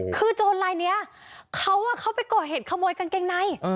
คือโจรลายนี้เขาไปก่อเหตุขโมยกางเกงใน